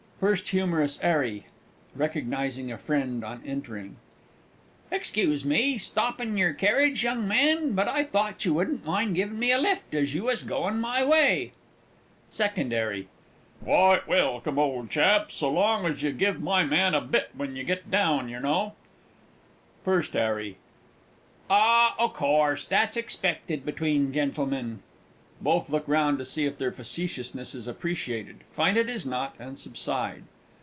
FIRST HUMOROUS 'ARRY (recognising a friend on entering). Excuse me stoppin' your kerridge, old man, but I thought you wouldn't mind givin' me a lift, as you was goin' my way. SECOND H. 'A. Quite welcome, old chap, so long as you give my man a bit when you git down, yer know. FIRST H. 'A. Oh, o' course that's expected between gentlemen. (_Both look round to see if their facetiousness is appreciated, find it is not and subside.